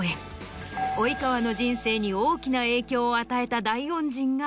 及川の人生に大きな影響を与えた大恩人が。